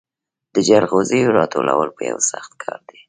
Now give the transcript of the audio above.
د جلغوزیو راټولول یو سخت کار دی.